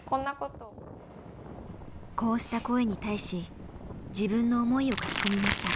こうした声に対し自分の思いを書き込みました。